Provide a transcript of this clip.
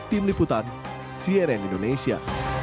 tim liputan sieren indonesia